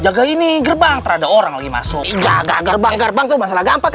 yang ngulis jaga ini gerbang terada orang lagi masuk jaga gerbang gerbang tuh masalah gampang